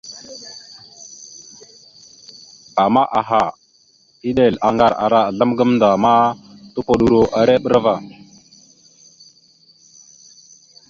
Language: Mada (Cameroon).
Ama aha, eɗel, aŋgar ara azzlam gamənda ma tupoɗoro ere bra ava.